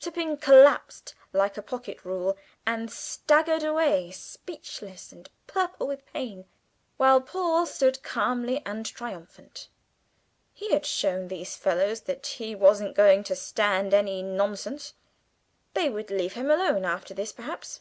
Tipping collapsed like a pocket rule, and staggered away speechless, and purple with pain, while Paul stood calm and triumphant. He had shown these fellows that he wasn't going to stand any nonsense. They would leave him alone after this, perhaps.